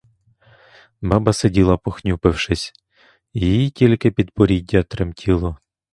Баба сиділа похнюпившись, її тільки підборіддя тремтіло.